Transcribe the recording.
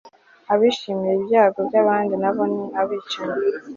abishimira ibyago byabandi nabo ni abicanyi